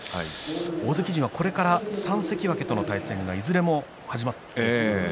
大関陣はこれから、３関脇との対戦がいずれも始まっていきます。